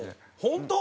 本当？